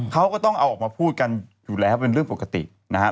เขาก็ต้องเอาออกมาพูดกันอยู่แล้วเป็นเรื่องปกตินะฮะ